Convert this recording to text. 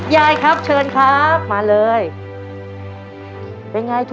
ยายครับเชิญครับมาเลย